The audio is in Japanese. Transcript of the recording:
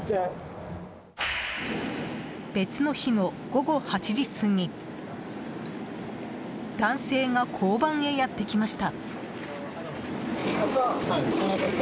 別の日の午後８時過ぎ男性が交番へやってきました。